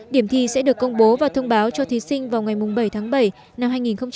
điểm thi sẽ được công bố và thông báo cho thí sinh vào ngày bảy tháng bảy năm hai nghìn hai mươi